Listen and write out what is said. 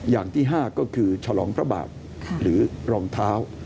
อย่างที่๕ก็คือฉลองพระบาทหรือรองเท้า